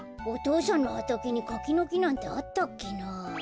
お父さんのはたけにかきのきなんてあったっけな？